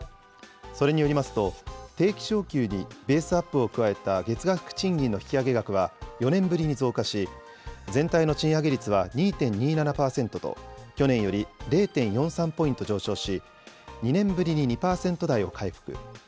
それによりますと、定期昇給にベースアップを加えた月額賃金の引き上げ額は４年ぶりに増加し、全体の賃上げ率は２．２７％と、去年より０．４３ポイント上昇し、２年ぶりに２％台を回復。